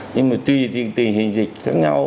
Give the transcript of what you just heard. nhưng mà tuy tình hình dịch khác nhau